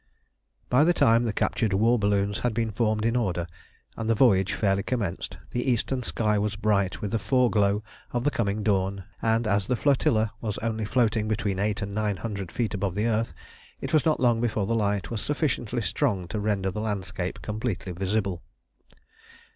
By the time the captured war balloons had been formed in order, and the voyage fairly commenced, the eastern sky was bright with the foreglow of the coming dawn, and, as the flotilla was only floating between eight and nine hundred feet above the earth, it was not long before the light was sufficiently strong to render the landscape completely visible.